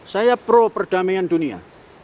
saya pro perdamaian dunia